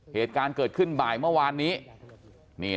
เหตุการณ์เกิดขึ้นบ่ายเมื่อวานนี้